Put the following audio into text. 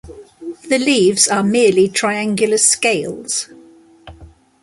The leaves are merely triangular scales.